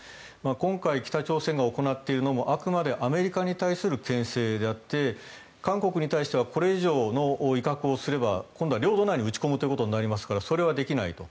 今回、北朝鮮が行っているのもあくまでアメリカに対するけん制であって韓国に対してはこれ以上の威嚇をすれば今度は領土内に撃ち込むということになりますからそれはできないと。